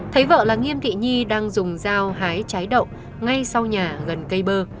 thấy vợ là nghiêm thị nhi đang dùng dao hái trái đậu ngay sau nhà gần cây bơ